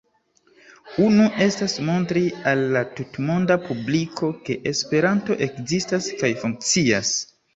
Unu estas montri al la tutmonda publiko, ke Esperanto ekzistas kaj funkcias.